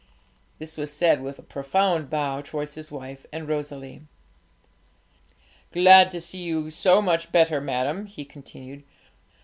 This was said with a profound bow towards his wife and Rosalie. 'Glad to see you so much better, madam,' he continued.